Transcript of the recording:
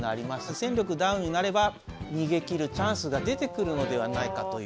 戦力ダウンになれば逃げきるチャンスが出てくるのではないかという。